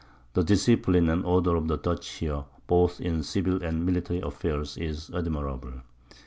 The Discipline and Order of the Dutch here, both in Civil and Military Affairs, is admirable.